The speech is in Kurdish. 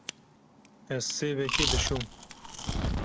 Ez sêvekê dişom.